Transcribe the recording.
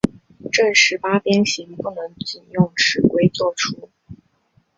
正十八边形不能仅用尺规作出。